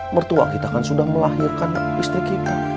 mertua kita kan sudah melahirkan istri kita